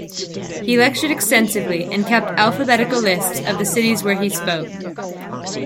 He lectured extensively and kept alphabetical lists of the cities where he spoke.